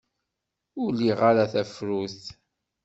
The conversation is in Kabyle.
Ur liɣ ara tafrut.